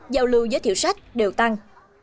giao lưu giới thiệu sách đều tăng